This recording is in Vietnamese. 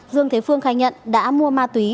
dương thế phương khai nhận đã mua ma túy